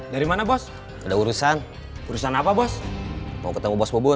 dari mana bos ada urusan urusan apa bos mau ketemu bos bogor